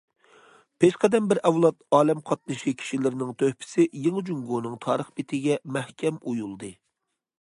پېشقەدەم بىر ئەۋلاد ئالەم قاتنىشى كىشىلىرىنىڭ تۆھپىسى يېڭى جۇڭگونىڭ تارىخ بېتىگە مەھكەم ئويۇلدى.